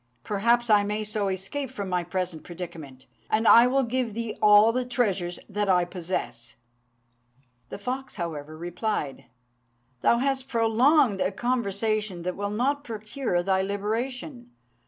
Perhaps I may so escape from my present predicament, and I will give thee all the treasures that I possess." The fox, however, replied, "Thou hast prolonged a conversation that will not procure thy liberation.